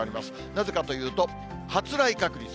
なぜかというと、発雷確率。